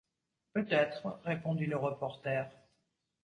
Peut-être, répondit le reporter.